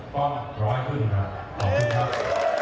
ก็ร้อยครึ่งครับขอบคุณครับ